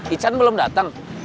ican belum datang